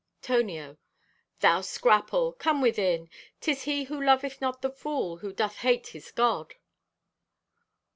(Tonio) "Thou scrapple! Come within. 'Tis he who loveth not the fool who doth hate his God."